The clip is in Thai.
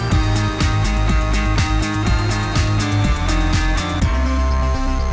ไม่ต้องการเงินจากคุณเตรียมชัย